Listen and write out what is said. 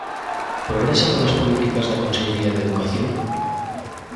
¿Progresa polas políticas da Consellería de Educación?